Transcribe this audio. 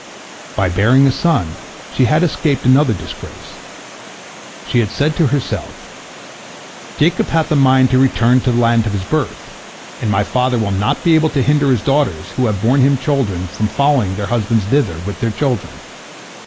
By bearing a son, she had escaped another disgrace. She had said to herself: "Jacob hath a mind to return to the land of his birth, and my father will not be able to hinder his daughters who have borne him children from following their husband thither with their children.